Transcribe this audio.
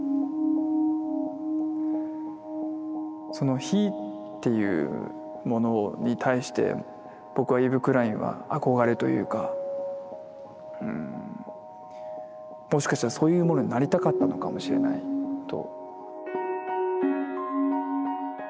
その非っていうものに対して僕はイヴ・クラインは憧れというかもしかしたらそういうものになりたかったのかもしれないと。